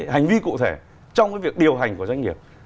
hành vi cụ thể trong cái việc điều hành của doanh nghiệp